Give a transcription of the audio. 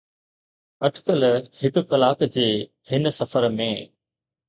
اٽڪل هڪ ڪلاڪ جي هن سفر ۾